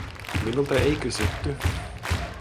Minulta ei kysytty.